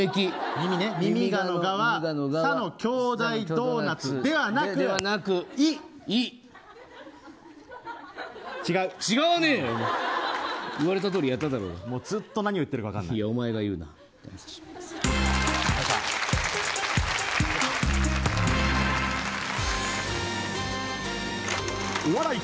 耳がのがは、さの兄弟ドーナツではなくずっと何言ってるか分からない。